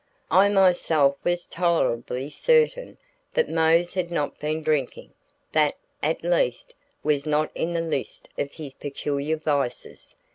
I myself was tolerably certain that Mose had not been drinking; that, at least, was not in the list of his peculiar vices.